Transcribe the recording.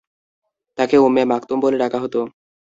তাঁকে উম্মে মাকতূম বলে ডাকা হত।